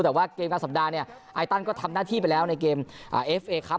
แต่ว่าเกมกลางสัปดาห์เนี่ยไอตันก็ทำหน้าที่ไปแล้วในเกมเอฟเอครับ